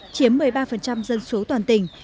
chiếm một mươi ba dân số toàn tỉnh